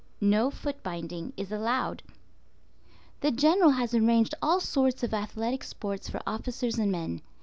No foot binding is allowed. The General has arranged all sorts of athletic sports for officers and men.